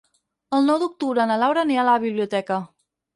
El nou d'octubre na Laura anirà a la biblioteca.